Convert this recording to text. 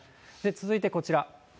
続いてこちら。